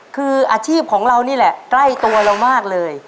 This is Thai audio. คืออาชีพของเรานี่แหละใกล้ตัวเรามากเลย